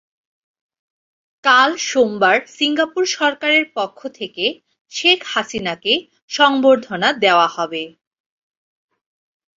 কাল সোমবার সিঙ্গাপুর সরকারের পক্ষ থেকে শেখ হাসিনাকে সংবর্ধনা দেওয়া হবে।